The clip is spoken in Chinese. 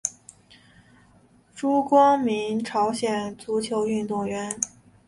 朱光民朝鲜足球运动员。